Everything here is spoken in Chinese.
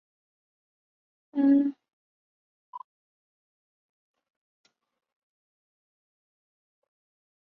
梁山镇是中国山东省济宁市梁山县下辖的一个镇。